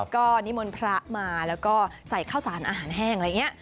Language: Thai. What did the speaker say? ก็นิมนต์พระมาแล้วก็ใส่ข้าวสารอาหารแห้งอะไรอย่างนี้